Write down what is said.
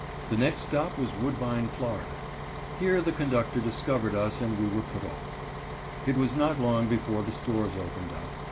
The next stop was Woodbine, Fla. Here the conductor discovered us and we were put off. It was not long before the stores opened up.